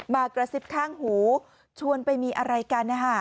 มากระซิบข้างหูชวนไปมีอะไรกัน